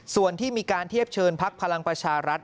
ส่วนที่มีการเทียบเชิญพักพลังประชารัฐ